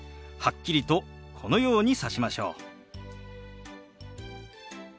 はっきりとこのようにさしましょう。